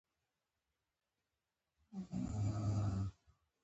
د سونورا نوګالس وګړي د کمزوري روغتیايي سیستم له امله کړېږي.